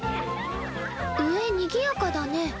・上にぎやかだね。